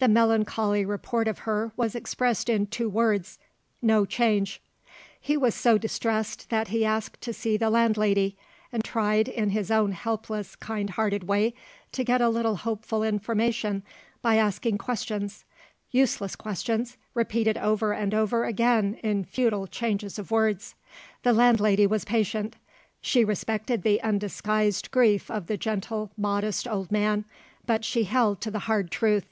The melancholy report of her was expressed in two words: No change. He was so distressed that he asked to see the landlady; and tried, in his own helpless kindhearted way, to get a little hopeful information by asking questions useless questions, repeated over and over again in futile changes of words. The landlady was patient: she respected the undisguised grief of the gentle modest old man; but she held to the hard truth.